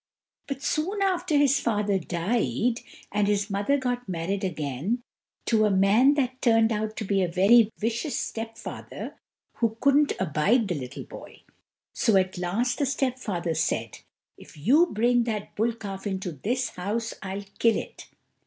But soon after his father died, and his mother got married again to a man that turned out to be a very vicious step father, who couldn't abide the little boy. So at last the step father said: "If you bring that bull calf into this house, I'll kill it."